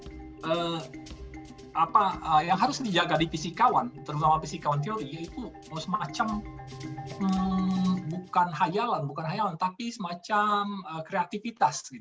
jadi yang harus dijaga di fisikawan terutama fisikawan teori yaitu semacam bukan hayalan tapi semacam kreativitas